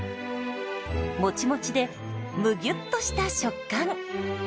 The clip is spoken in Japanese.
もちもちでむぎゅっとした食感。